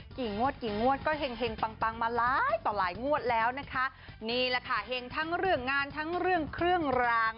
งวดกี่งวดก็เห็งปังปังมาหลายต่อหลายงวดแล้วนะคะนี่แหละค่ะเห็งทั้งเรื่องงานทั้งเรื่องเครื่องราง